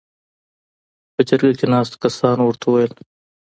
.په جرګه کې ناستو کسانو ورته ووېل: